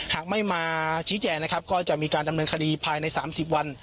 หากไม่มาชี้แจงนะครับก็จะมีการดำเนินคดีภายใน๓๐วัน